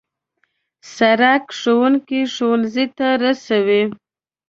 سړک ښوونکي ښوونځي ته رسوي.